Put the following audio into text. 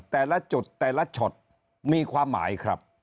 แต่ละจุดแต่ละช็อตมีความหมายครับ